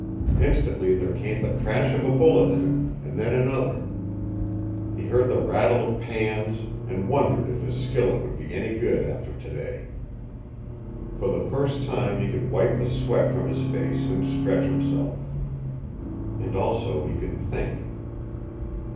Instantly there came the crash of a bullet in it, and then another. He heard the rattle of pans, and wondered if his skillet would be any good after today. For the first time he could wipe the sweat from his face and stretch himself. And also he could think.